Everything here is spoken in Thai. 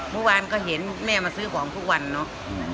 เมื่อวานก็เห็นแม่มาซื้อของทุกวันเนาะ